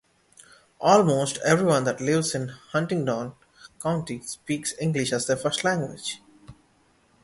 Almost everyone that lives in Huntingdon County speaks English as their first language.